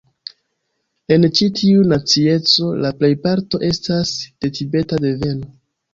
En ĉi tiu nacieco la plejparto estas de Tibeta deveno.